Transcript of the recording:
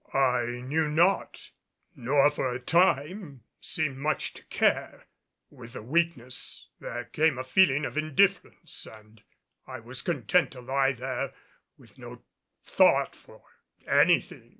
I knew not nor for a time seemed much to care. With the weakness there came a feeling of indifference and I was content to lie there, with no thought for anything.